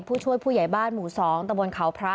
ผู้ช่วยผู้ใหญ่บ้านหมู่๒ตะบนเขาพระ